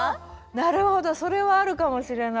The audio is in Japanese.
なるほどそれはあるかもしれない。